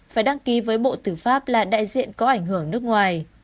phải đăng ký với bộ tư pháp là đại diện có ảnh hưởng nước ngoài